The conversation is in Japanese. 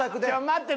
待って！